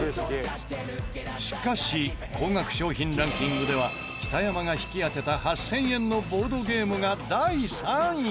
しかし高額商品ランキングでは北山が引き当てた８０００円のボードゲームが第３位。